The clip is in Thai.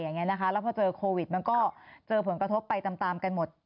แล้วพอเจอวีสมัยก็เดินขึ้นกระทบไปกันหมด